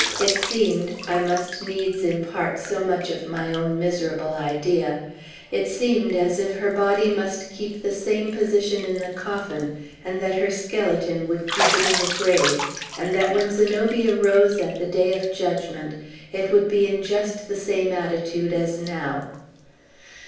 It seemed, I must needs impart so much of my own miserable idea, it seemed as if her body must keep the same position in the coffin, and that her skeleton would keep it in the grave; and that when Zenobia rose at the day of judgment, it would be in just the same attitude as now!